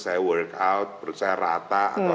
saya workout perut saya rata